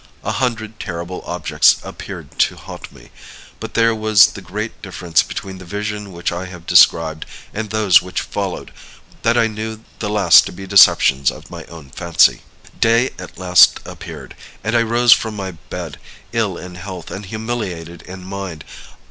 A hundred terrible objects appeared to haunt me; but there was the great difference between the vision which I have described, and those which followed, that I knew the last to be deceptions of my own fancy. "Day at last appeared, and I rose from my bed, ill in health and humiliated in mind.